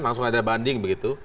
langsung ada banding begitu